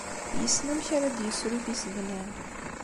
Yessen amek ara d-yessru tisednan.